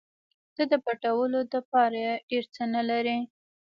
ته د پټولو دپاره ډېر څه نه لرې.